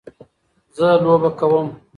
زه لوبه کوم.